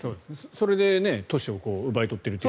それで都市を奪い取っていると。